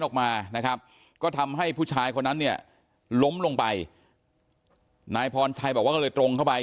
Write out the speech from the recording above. ออกมานะครับก็ทำให้ผู้ชายคนนั้นเนี่ยล้มลงไปนายพรชัยบอกว่าก็เลยตรงเข้าไป